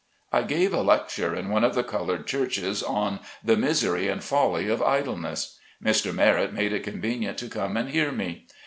I gave a lecture in one of the colored churches, on "the Misery and Folly of Idleness." Mr. Merrett made it convenient to come and hear me.